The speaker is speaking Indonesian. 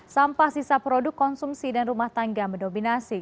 sampah sisa produk konsumsi dan rumah tangga mendominasi